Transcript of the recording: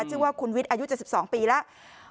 ชื่อว่าคุณวิทย์อายุ๗๒ปีแล้ว